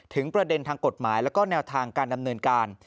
ประเด็นทางกฎหมายแล้วก็แนวทางการดำเนินการ